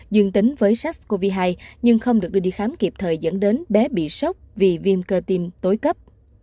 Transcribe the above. dương tính với sars cov hai nhưng không được được đi khám kịp thời dẫn đến bé bị sốt vì viêm cơ tiêm tối cấp